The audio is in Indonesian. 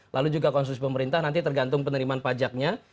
lalu juga konsumsi pemerintah nanti tergantung penerimaan pajaknya